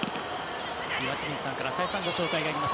岩清水さんから再三ご紹介があります